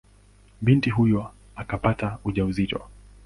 Binti huyo akapata ujauzito.